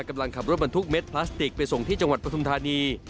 กำลังขับรถบรรทุกเม็ดพลาสติกไปส่งที่จังหวัดปฐุมธานี